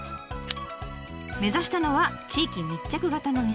目指したのは地域密着型の店。